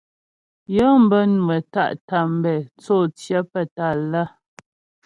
Yə̂ŋ bə́ nwə́ tá’ tambɛ̂ tsô tsyə́ pə́ Tâlá.